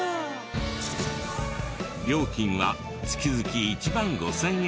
料金は月々１万５０００円ほど。